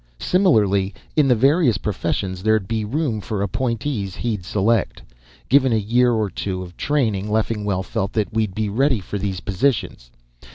Similarly, in the various professions, there'd be room for appointees he'd select. Given a year or two of training, Leffingwell felt that we'd be ready for these positions.